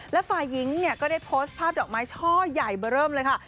และฝ่ายหญิงเนี่ยก็ได้โพสต์ภาพดอกไม้ช่อใหญ่เบอร์เริ่มเลยค่ะ